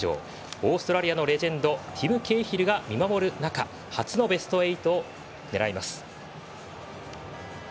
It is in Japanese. オーストラリアのレジェンドティム・ケーヒルが見守る中初のベスト８を狙います。